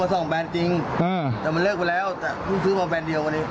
ส่องแบรนด์จริงแต่มันเลิกไปแล้วแต่เพิ่งซื้อมาแนนเดียววันนี้